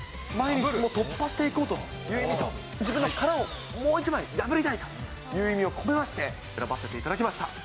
前に進む、突破していこうという意味と、自分の殻をもう一枚破りたいという意味を込めまして、選ばせていただきました。